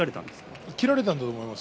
切られたと思います。